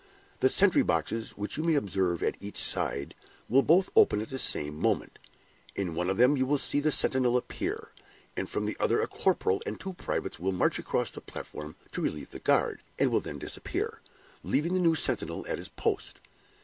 The sentry boxes, which you may observe at each side, will both open at the same moment. In one of them you will see the sentinel appear; and from the other a corporal and two privates will march across the platform to relieve the guard, and will then disappear, leaving the new sentinel at his post.